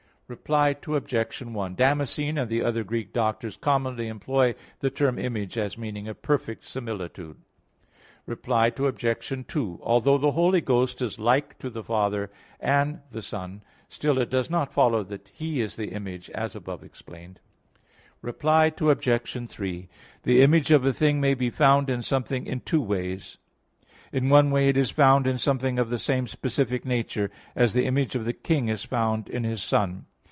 Reply Obj. 1: Damascene and the other Greek Doctors commonly employ the term image as meaning a perfect similitude. Reply Obj. 2: Although the Holy Ghost is like to the Father and the Son, still it does not follow that He is the Image, as above explained. Reply Obj. 3: The image of a thing may be found in something in two ways. In one way it is found in something of the same specific nature; as the image of the king is found in his son.